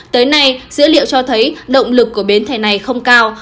tới nay dữ liệu cho thấy động lực của bến thẻ này không cao